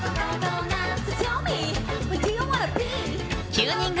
９人組